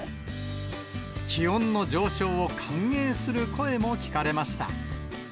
気温の上昇を歓迎する声も聞かれました。